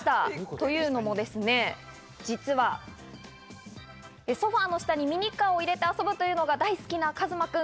というのも実はソファーの下にミニカーを入れて遊ぶというのが大好きなかずまくん。